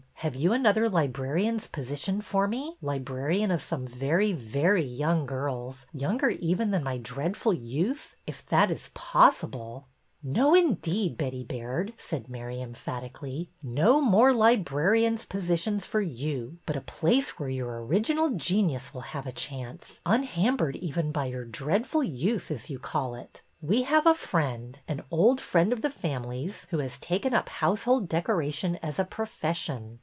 Have you another libra rian's position for me, librarian of some very, very young girls, younger even than my dread ful youth, if that is possible ?"'' No, indeed, Betty Baird," said Mary, em phatically. '' No more librarians' positions for you, but a place where your original genius will MARY KING'S PLAN 251 have a chance, unhampered even by your ^ dread ful youth,' as you call it. We have a friend, an old friend of the family's, who has taken up household decoration as a profession.